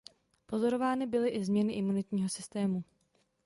Pozorovány byly i změny imunitního systému.